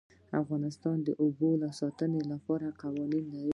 افغانستان د آب وهوا د ساتنې لپاره قوانین لري.